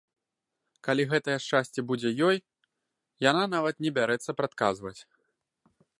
Калі гэтае шчасце будзе ёй, яна нават не бярэцца прадказваць.